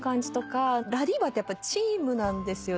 ＬＡＤＩＶＡってチームなんですよね。